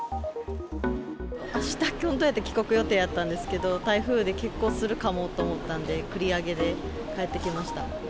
あした、本当だったら帰国予定やったんですけど、台風で欠航するかもと思ったんで、繰り上げで帰ってきました。